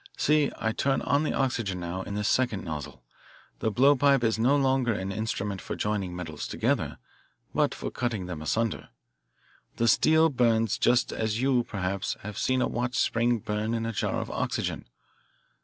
See. I turn on the oxygen now in this second nozzle. The blowpipe is no longer an instrument for joining metals together, but for cutting them asunder. The steel burns just as you, perhaps, have seen a watch spring burn in a jar of oxygen.